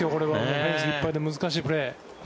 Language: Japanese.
フェンスいっぱいで難しいプレー。